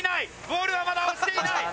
ボールはまだ落ちていない！